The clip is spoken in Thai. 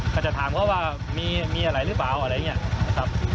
ก็จะถามเพราะว่ามีอะไรหรือเปล่าอะไรอย่างนี้